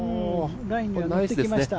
ラインにはのってきました